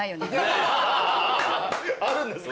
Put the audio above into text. あるんですか？